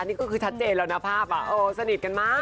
นี่คือชัดเจนแล้วนะภาพอ่ะโอ้วสนิทกันมาก